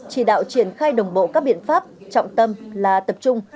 chỉ đạo triển khai đồng bộ các biện pháp trọng tâm là tập trung